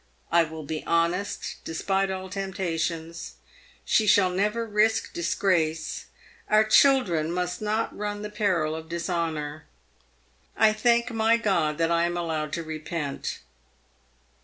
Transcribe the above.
" I will be honest, despite all tempta tions. She shall never risk disgrace. Our children must not run the peril of dishonour. I thank my God that I am allowed to repent."